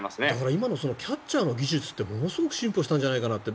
今のキャッチャーの技術ってものすごく進歩したんじゃないかなって。